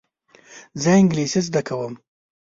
زه انګلیسي زده کوم.